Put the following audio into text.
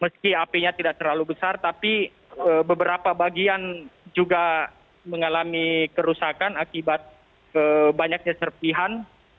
meski apinya tidak terlalu besar tapi beberapa bagian juga mengalami kerusakan akibat banyaknya serpihan